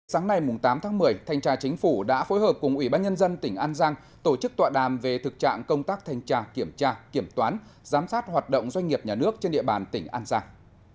sáng nay tám tháng một mươi thanh tra chính phủ đã phối hợp cùng ủy ban nhân dân tỉnh an giang tổ chức tọa đàm về thực trạng công tác thanh tra kiểm tra kiểm toán giám sát hoạt động doanh nghiệp nhà nước trên địa bàn tỉnh an giang